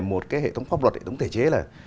một cái hệ thống pháp luật hệ thống thể chế là